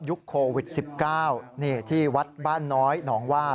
โควิด๑๙นี่ที่วัดบ้านน้อยหนองว่า